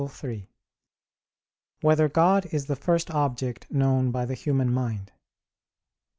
3] Whether God Is the First Object Known by the Human Mind?